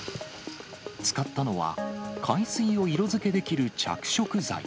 使ったのは、海水を色づけできる着色剤。